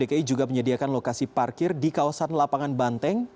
dki juga menyediakan lokasi parkir di kawasan lapangan banteng